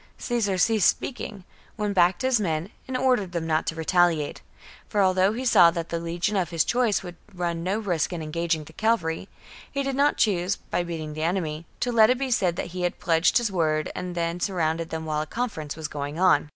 Caesar ceased speaking, went back to his men, and ordered them not to retaliate ; for although he saw that the legion of his choice would run no risk in engaging the cavalry, he did not choose, by beating the enemy, to let it be said that he had pledged his word and then surrounded them while a conference was going on.